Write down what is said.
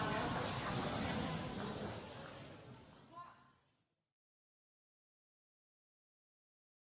ขอบคุณครับ